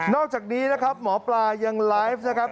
อกจากนี้นะครับหมอปลายังไลฟ์นะครับ